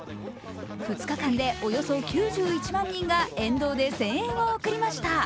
２日間でおよそ９１万人が沿道で声援を送りました。